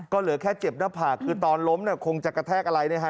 ก็เหลือแค่เจ็บหน้าผากคือตอนล้มเนี่ยคงจะกระแทกอะไรเนี่ยฮะ